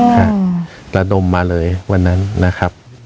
มาแล้วดมมาเลยวันนั้นนะครับ